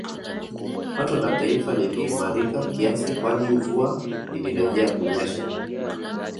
Pato la taifa liliimarika kiasi kwani mvua ilirejea kunyesha